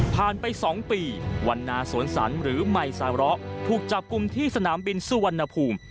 ไป๒ปีวันนาสวนสันหรือไมซาระถูกจับกลุ่มที่สนามบินสุวรรณภูมิ